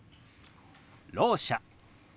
「ろう者」。